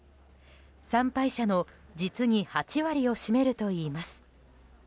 参拝者の実に８割を占めるといいます。